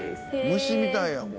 「虫みたいやん」